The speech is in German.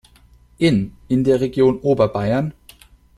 Inn in der Region Oberbayern.